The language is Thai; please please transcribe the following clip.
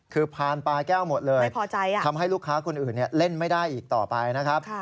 คือพานปลาแก้วหมดเลยทำให้ลูกค้าคนอื่นเล่นไม่ได้อีกต่อไปนะครับ